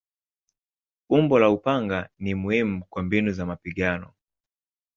Umbo la upanga ni muhimu kwa mbinu za mapigano.